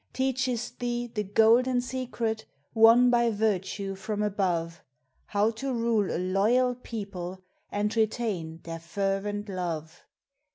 Teaches thee the golden secret, Won by virtue from above, HOW TO RULE A LOYAL PEOPLE AND RETAIN THEIR FERVENT LOVE.